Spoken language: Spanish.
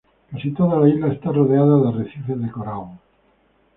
Casi toda la isla esta rodeada de arrecifes de coral.